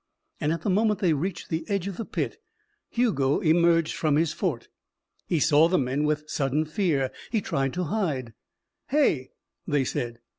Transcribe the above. And at the moment they reached the edge of the pit, Hugo emerged from his fort. He saw the men with sudden fear. He tried to hide. "Hey!" they said.